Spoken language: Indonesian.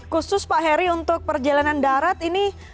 khusus pak heri untuk perjalanan darat ini